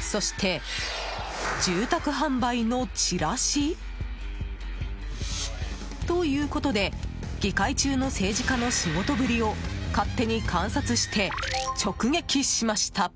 そして、住宅販売のチラシ？ということで議会中の政治家の仕事ぶりを勝手に観察して直撃しました。